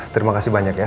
terima kasih banyak ya